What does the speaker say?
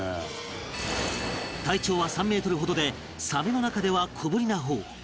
体長は３メートルほどでサメの中では小ぶりな方